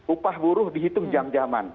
upah buruh dihitung jam jaman